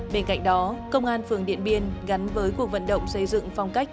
bên cạnh đó công an phường điện biên gắn với cuộc vận động xây dựng phong cách